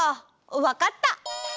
わかった。